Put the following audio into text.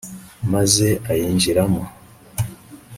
maze ayinjiramo